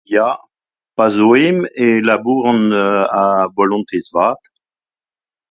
Ya, pa zo ezhomm e labouran a volontez-vat.